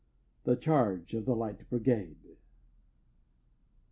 THE CHARGE OF THE LIGHT BRIGADE 1.